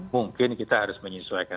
mungkin kita harus menyesuaikan